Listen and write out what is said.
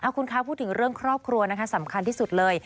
คุณคะพูดถึงเรื่องครอบครัวนะคะสำคัญที่สุดเลย